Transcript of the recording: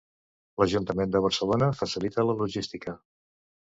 L'Ajuntament de Barcelona facilita la logística.